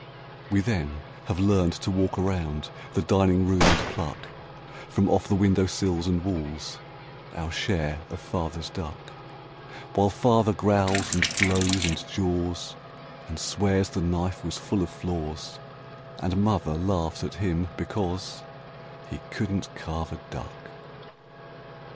We then have learned to walk around the dining room and pluck From off the windowsills and walls Our share of Father's duck While Father growls and blows and jaws And swears the knife was full of flaws And Mother laughs at him because He couldn't carve a duck.